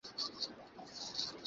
নিজেই দেখে নে।